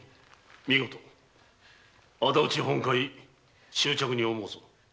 見事仇討ち本懐祝着に思うぞ。